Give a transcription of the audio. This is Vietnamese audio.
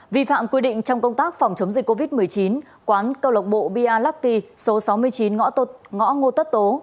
vì phạm quy định trong công tác phòng chống dịch covid một mươi chín quán cơ lộc bộ bia latty số sáu mươi chín ngõ tột